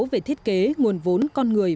về thiết kế nguồn vốn con người